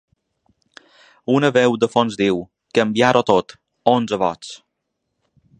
Una veu de fons diu: Canviar-ho tot: onze vots.